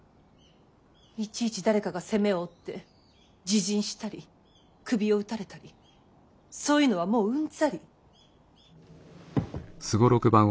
いちいち誰かが責めを負って自刃したり首を打たれたりそういうのはもううんざり。